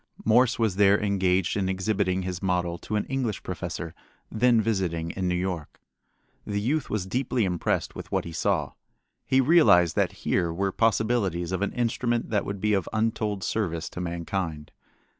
Morse was there engaged in exhibiting his model to an English professor then visiting in New York. The youth was deeply impressed with what he saw. He realized that here were possibilities of an instrument that would be of untold service to mankind.